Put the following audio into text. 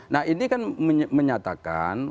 nah ini kan menyatakan